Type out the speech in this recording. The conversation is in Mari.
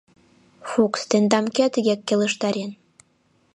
— Фукс, тендам кӧ тыге келыштарен?